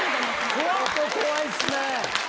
ここ怖いっすね！